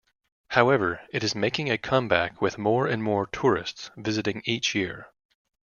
However, it is making a comeback with more and more tourists visiting each year.